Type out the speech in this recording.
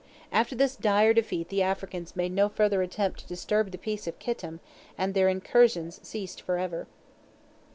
After this dire defeat the Africans made no further attempt to disturb the peace of Kittim, and their incursions ceased forever.